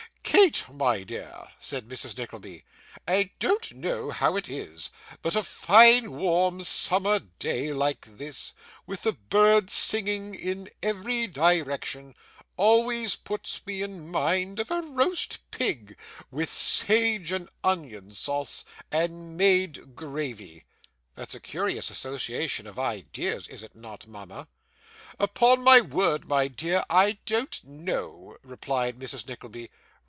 'Kate, my dear,' said Mrs. Nickleby; 'I don't know how it is, but a fine warm summer day like this, with the birds singing in every direction, always puts me in mind of roast pig, with sage and onion sauce, and made gravy.' 'That's a curious association of ideas, is it not, mama?' 'Upon my word, my dear, I don't know,' replied Mrs. Nickleby.